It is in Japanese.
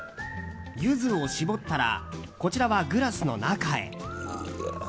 ユズを搾ったらこちらはグラスの中へ。